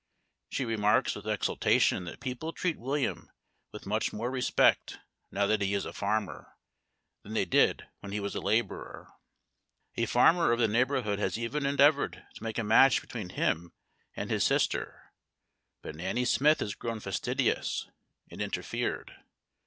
She remarks with exultation that people treat William with much more respect now that he is a farmer, than they did when he was a laborer. A farmer of the neighborhood has even endeavored to make a match between him and his sister, but Nanny Smith has grown fastidious, and interfered.